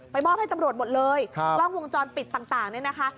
มอบให้ตำรวจหมดเลยกล้องวงจรปิดต่างเนี่ยนะคะ